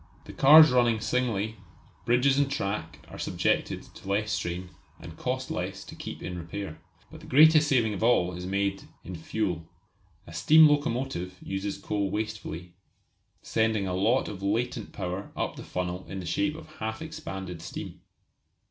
The cars running singly, bridges and track are subjected to less strain, and cost less to keep in repair. But the greatest saving of all is made in fuel. A steam locomotive uses coal wastefully, sending a lot of latent power up the funnel in the shape of half expanded steam.